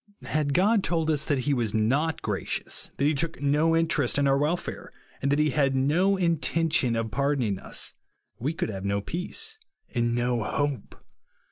Had God told us that he was not gracious, that he took no interest in our welfare, and that he had no intention of pardoning us, we could have no peace and no hope.